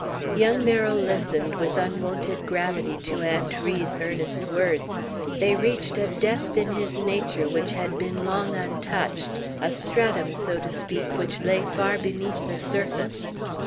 Young Merrill listened with unwonted gravity to Aunt Ri's earnest words. They reached a depth in his nature which had been long untouched; a stratum, so to speak, which lay far beneath the surface.